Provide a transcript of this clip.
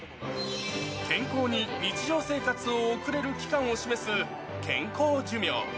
健康に日常生活を送れる期間を示す、健康寿命。